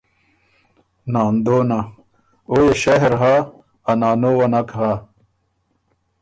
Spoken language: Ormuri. ناندونه: او يې شهر هۀ، ا نانو وه نک هۀ۔